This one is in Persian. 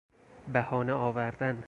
بهانه آوردن